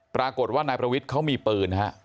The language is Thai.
ปรากฏว่านายประวิทย์เขามีปืนนะฮะ